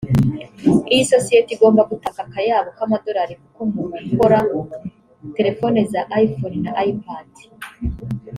Iyi sosiyete igomba gutanga aka kayabo k’amadorali kuko mu gukora telefone za iPhone na iPad